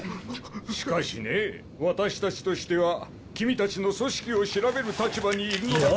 しかしね私たちとしては君たちの組織を調べる立場にいるのだから。